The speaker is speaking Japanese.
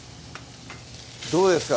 どうですか？